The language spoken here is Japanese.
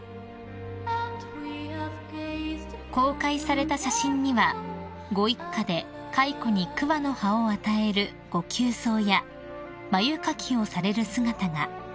［公開された写真にはご一家で蚕に桑の葉を与えるご給桑や繭掻きをされる姿が］